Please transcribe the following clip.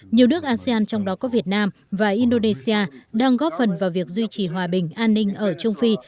nhiều nước asean trong đó có việt nam và indonesia đang góp phần vào việc duy trì hòa bình an ninh ở trung phi